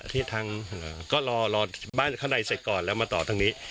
ที่ทางก็รอบ้านข้างในเสร็จก่อนแล้วมาต่อทางนี้